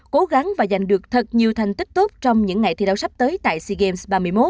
cố gắng và giành được thật nhiều thành tích tốt trong những ngày thi đấu sắp tới tại sea games ba mươi một